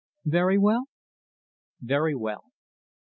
"Very well?" "Very well."